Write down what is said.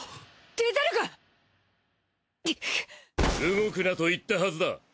動くなと言ったはずだ！